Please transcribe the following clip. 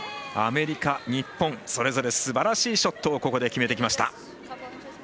アメリカ、日本それぞれ、すばらしいショットをここで決めてきました。